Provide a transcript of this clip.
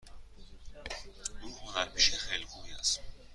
او هنرپیشه خیلی خوبی است.